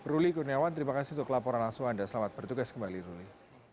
ruli kurniawan terima kasih untuk laporan langsung anda selamat bertugas kembali ruli